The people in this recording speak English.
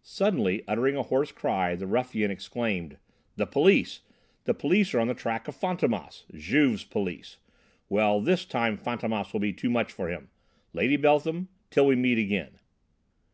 Suddenly, uttering a hoarse cry, the ruffian exclaimed: "The police! The police are on the track of Fantômas! Juve's police. Well, this time Fantômas will be too much for them. Lady Beltham till we meet again."